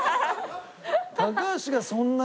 高橋が「そんなに？」